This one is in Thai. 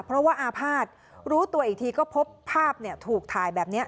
เพราะว่าอาภาษณ์รู้ตัวอีกทีก็พบภาพถูกถ่ายแบบนี้